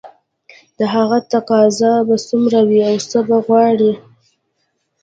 د هغه تقاضا به څومره وي او څه به غواړي